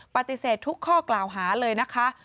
ปฏิเสธทุกข้อกล่าวหาเลยนะคะ